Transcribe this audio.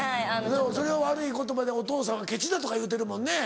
それ悪い言葉で「お父さんはケチだ」とか言うてるもんね。